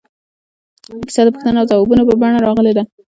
کیسه د پوښتنو او ځوابونو په بڼه راغلې ده.